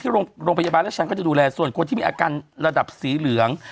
โรงพยาบาลราชชันก็จะดูแลส่วนคนที่มีอาการระดับสีเหลือง